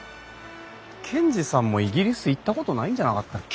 賢治さんもイギリス行ったことないんじゃなかったっけ？